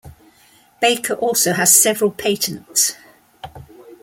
Baker also has several patents.